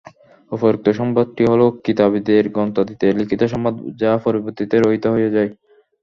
উপরোক্ত সংবাদটি হলো কিতাবীদের গ্রন্থাদিতে লিখিত সংবাদ যা পরবর্তীতে রহিত হয়ে যায়।